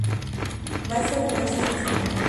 Maestra de maestros cocineros.